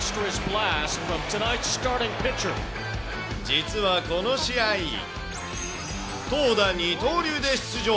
実はこの試合、投打二刀流で出場。